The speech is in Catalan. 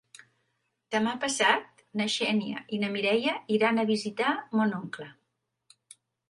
Demà passat na Xènia i na Mireia iran a visitar mon oncle.